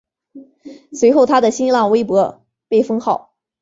随后他的新浪微博被封号。